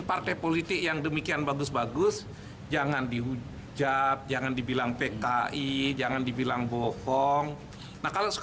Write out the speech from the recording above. kritik yang demikian bagus bagus jangan dihujat jangan dibilang pki jangan dibilang bohong